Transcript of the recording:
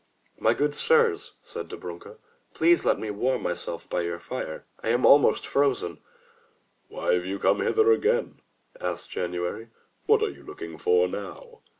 "My good sirs," said Dobrunka, "please to let me warm myself by your fire; I am almost frozen." "Why have you come hither again?" asked January. "What are you looking for now?"